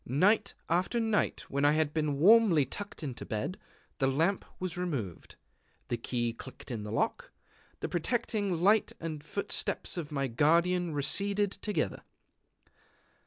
Night after night when I had been warmly tucked into bed, the lamp was removed; the key clicked in the lock; the protecting light and the footsteps of my guardian receded together.